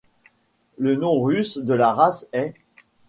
Le nom russe de la race est '.